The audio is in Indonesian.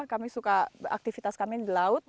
kami suka aktivitas kami di laut